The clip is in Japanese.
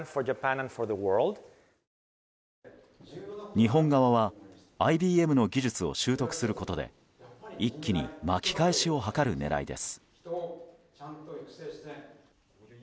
日本側はＩＢＭの技術を習得することで一気に巻き返しを図る狙いです。